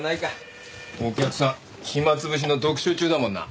お客さん暇潰しの読書中だもんな。